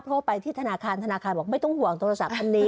เพราะไปที่ธนาคารธนาคารบอกไม่ต้องห่วงโทรศัพท์